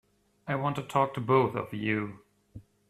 I want to talk to both of you.